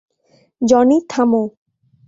Johnny, থামো!